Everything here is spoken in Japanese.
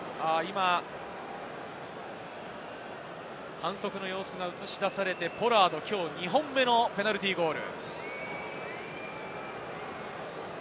反則の様子が映し出されてポラード、きょう２本目のペナルティーゴール。